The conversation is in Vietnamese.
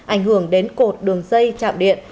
ảnh hưởng đến cột đường dây chạm điện